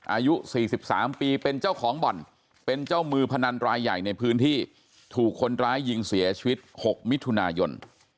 อายุ๔๓ปีเป็นเจ้าของบ่อนเป็นเจ้ามือพนันรายใหญ่ในพื้นที่ถูกคนร้ายยิงเสียชีวิต๖มิถุนายน